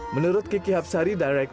menurut kiki hapsari